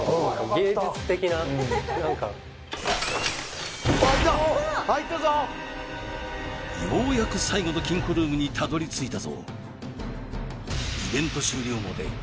芸術的な何か開いた開いたぞようやく最後の金庫ルームにたどり着いたぞ